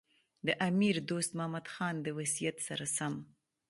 د امیر دوست محمد خان د وصیت سره سم.